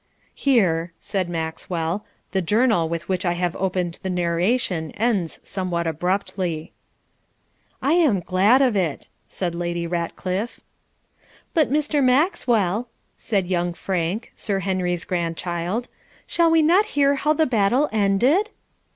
'Here,' said Maxwell, 'the journal with which I have opened the narration ends somewhat abruptly.' 'I am glad of it,' said Lady Ratcliff. 'But, Mr. Maxwell,' said young Frank, Sir Henry's grandchild, 'shall we not hear how the battle ended?'